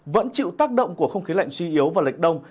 vẫn chịu tác động của không khí lạnh suy yếu và lệch đông